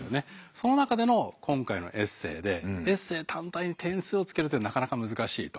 その中での今回のエッセーでエッセー単体で点数をつけるというのはなかなか難しいと。